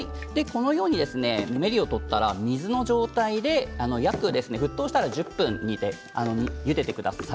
ぬめりを取ったら水の状態で沸騰したら１０分煮てゆでてください。